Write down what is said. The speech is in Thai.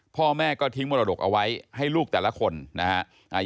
พ่อแม่ก็ทิ้งมรดกเอาไว้ให้ลูกแต่ละคนนะฮะ